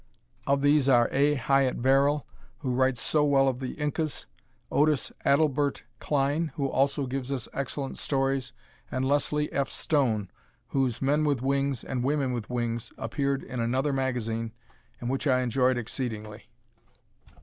Of these are A. Hyatt Verrill who writes so well of the Incas, Otis Adelbert Kline who also gives us excellent stories and Leslie F. Stone whose "Men with Wings" and "Women with Wings" appeared in another magazine and which I enjoyed exceedingly.